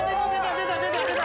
◆出た出た出た！